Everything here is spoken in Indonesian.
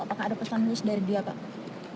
apakah ada pesan khusus dari dia pak